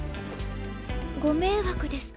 ご迷惑ですか？